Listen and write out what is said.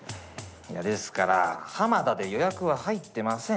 ですからハマダで予約は入ってません。